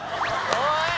おい！